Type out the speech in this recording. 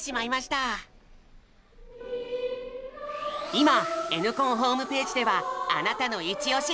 今Ｎコンホームページではあなたのイチオシ！